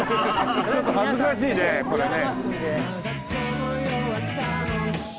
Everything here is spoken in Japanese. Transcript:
ちょっと恥ずかしいねこれね。